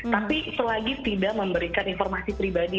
tapi selagi tidak memberikan informasi pribadi